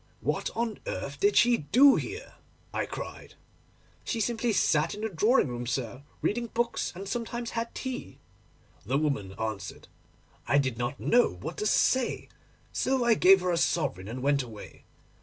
"What on earth did she do here?" I cried. "She simply sat in the drawing room, sir, reading books, and sometimes had tea," the woman answered. I did not know what to say, so I gave her a sovereign and went away.